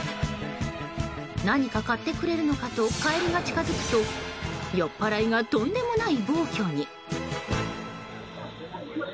何か買ってくれるのかとカエルが近づくと酔っ払いがとんでもない暴挙に。